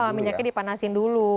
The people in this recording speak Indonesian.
oh minyaknya dipanasin dulu